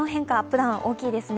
ダウン大きいですね。